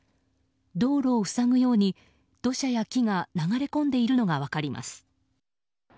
道路を塞ぐように土砂や木が流れ込んでいるのが分かります。